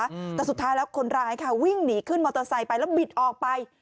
อืมแต่สุดท้ายแล้วคนร้ายค่ะวิ่งหนีขึ้นมอเตอร์ไซค์ไปแล้วบิดออกไป